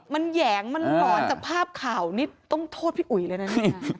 มันแหยงมันก่อนจากภาพข่าวนี่ต้องโทษพี่อุ๋ยเลยนะเนี่ย